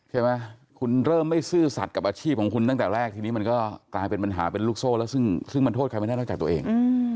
ใช่ไหมคุณเริ่มไม่ซื่อสัตว์กับอาชีพของคุณตั้งแต่แรกทีนี้มันก็กลายเป็นปัญหาเป็นลูกโซ่แล้วซึ่งมันโทษใครไม่ได้นอกจากตัวเอง